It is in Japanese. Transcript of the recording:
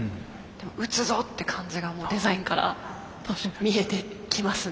「打つぞ！」って感じがもうデザインから見えてきますね。